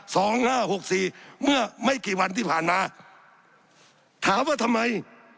สับขาหลอกกันไปสับขาหลอกกันไป